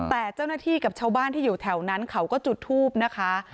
แต่เจ้าหน้าที่กับชาวบ้านที่อยู่แถวนั้นเขาก็จุดทูบนะคะ